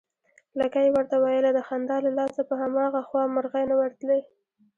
لکۍ يې ورته ويله، د خندا له لاسه په هماغه خوا مرغۍ نه ورتلې